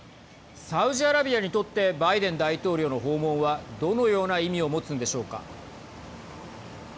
サウジアラビアにとってバイデン大統領の訪問はどのような意味を持つんでしょうか。